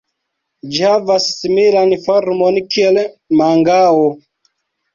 Ĝi havas similan formon kiel mangao.